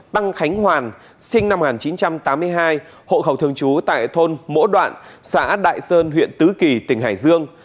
tăng khánh hoàn sinh năm một nghìn chín trăm tám mươi hai hộ khẩu thường trú tại thôn mỗ đoạn xã đại sơn huyện tứ kỳ tỉnh hải dương